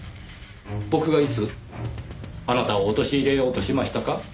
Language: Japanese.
僕がいつあなたを陥れようとしましたか？